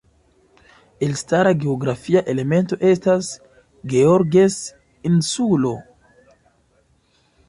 Elstara geografia elemento estas Georges Insulo.